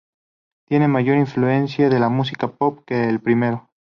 Tiene mayor influencia de la música pop que el primero.